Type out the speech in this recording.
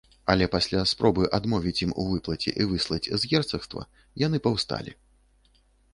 Але пасля спробы адмовіць ім у выплаце і выслаць з герцагства, яны паўсталі.